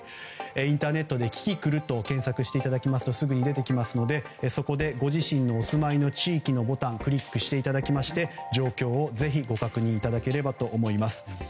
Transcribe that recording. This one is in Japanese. インターネットでキキクルと検索していただきますとすぐに出てきますのでそこでご自身のお住まいの地域をクリックしていただきまして状況をぜひご確認いただければと思います。